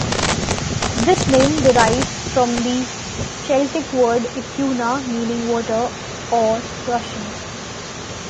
This name derives from the Celtic word "ituna", meaning "water", or "rushing".